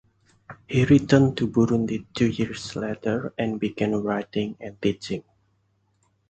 He returned to Burundi two years later and began writing and teaching.